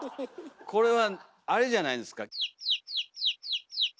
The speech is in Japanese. これはあれじゃないんですか？